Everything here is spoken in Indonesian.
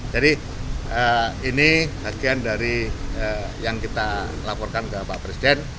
jadi ini bagian dari yang kita laporkan ke pak presiden